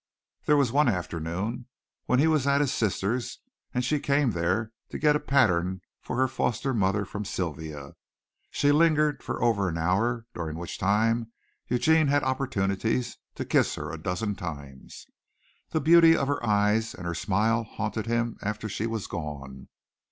There was one afternoon when he was at his sister's and she came there to get a pattern for her foster mother from Sylvia. She lingered for over an hour, during which time Eugene had opportunities to kiss her a dozen times. The beauty of her eyes and her smile haunted him after she was gone.